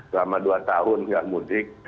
selama dua tahun nggak mudik